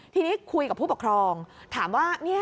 ทีนี้คุยกับผู้ปกครองถามว่า